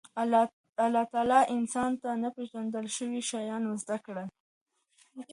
الله انسان ته ناپېژندل شوي شیان ورزده کوي.